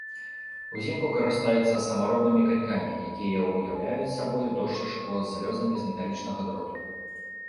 Узімку карыстаюцца самаробнымі канькамі, якія ўяўляюць сабою дошчачку з лёзамі з металічнага дроту.